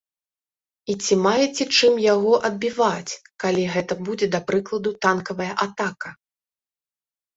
І ці маеце чым яго адбіваць, калі гэта будзе, да прыкладу, танкавая атака?